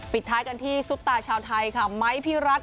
ปิดท้ายกันที่สุตตาชาวไทยไมค์พิรัตน์